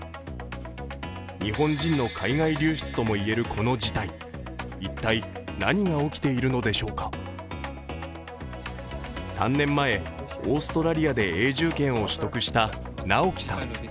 日本人の海外流出ともいえるこの事態、一体、何が起きているのでしょうか３年前、オーストラリアで永住権を取得したＮＡＯＫＩさん。